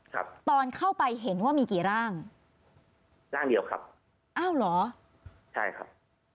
ครับตอนเข้าไปเห็นว่ามีกี่ร่างร่างเดียวครับอ้าวเหรอใช่ครับ